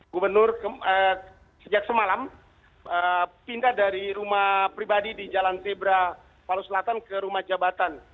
gubernur sejak semalam pindah dari rumah pribadi di jalan zebra palu selatan ke rumah jabatan